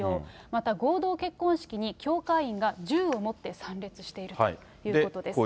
また、合同結婚式に教会員が銃を持って参列しているということです。